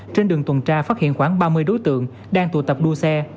trên đường tuần tra phát hiện khoảng ba mươi đối tượng đang tụ tập đua xe